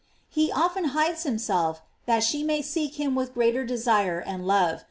He often hides himself that she may seek him with greater desire and love.